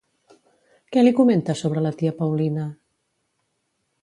Què li comenta sobre la tia Paulina?